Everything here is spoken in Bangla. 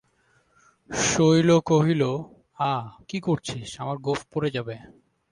শৈল কহিল, আঃ, কী করছিস, আমার গোঁফ পড়ে যাবে।